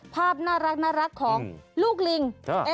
ภาพน่ารักของลูกลิง